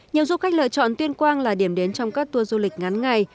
nhiều du khách lựa chọn tuyên quang là điểm đến trong các tour du lịch ngắn ngày